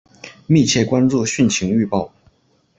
密切关注汛情预报